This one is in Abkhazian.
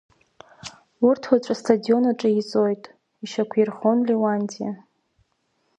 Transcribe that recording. Урҭ уаҵәы астадион аҿы иеизоит, ишьақәирӷәӷәон Леуанти.